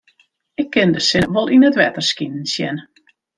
Ik kin de sinne wol yn it wetter skinen sjen.